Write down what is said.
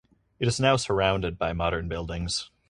It is now surrounded by modern buildings.